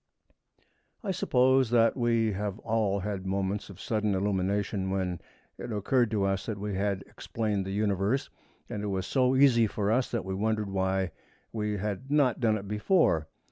I suppose that we have all had moments of sudden illumination when it occurred to us that we had explained the Universe, and it was so easy for us that we wondered why we had not done it before.